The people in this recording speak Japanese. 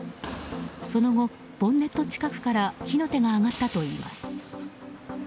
その後ボンネット近くから火の手が上がったといいます。